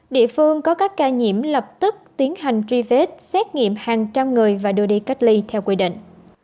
địa phương có các ca nhiễm lập tức tiến hành truy vết xét nghiệm hàng trăm người và đưa đi cách ly theo quy định